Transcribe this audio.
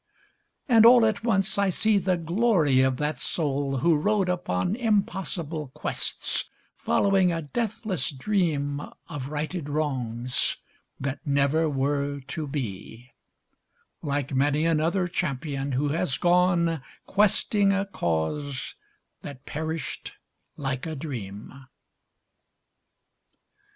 And all at once I see The glory of that soul who rode upon Impossible quests, following a deathless dream Of righted wrongs, that never were to be, Like many another champion who has gone Questing a cause that perished like a dream.